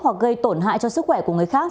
hoặc gây tổn hại cho sức khỏe của người khác